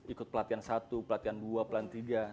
ikut pelatihan satu pelatihan dua pelatihan tiga